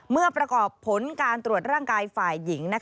เมื่อประกอบผลการตรวจร่างกายฝ่ายหญิง